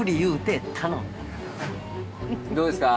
どうですか？